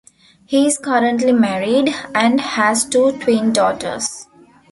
He is currently married, and has two twin daughters.